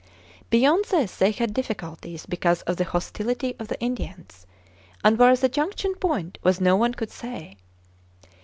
Beyond this they had difficulties because of the hostility of the Indians; and where the junction point was no one could say.